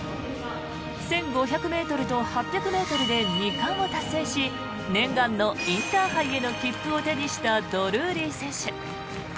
１５００ｍと８００ｍで２冠を達成し念願のインターハイへの切符を手にしたドルーリー選手。